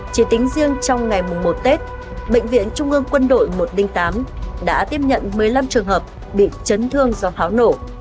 chỉ tính riêng trong ngày mùng một tết bệnh viện trung ương quân đội một trăm linh tám đã tiếp nhận một mươi năm trường hợp bị chấn thương do pháo nổ